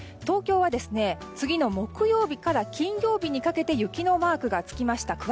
東京は次の木曜日から金曜日にかけて雪のマークがつきました。